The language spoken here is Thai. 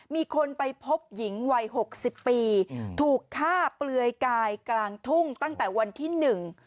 มีคนไปพบหญิงวัยหกสิบปีอืมถูกฆ่าเปลือยกายกลางทุ่งตั้งแต่วันที่หนึ่ง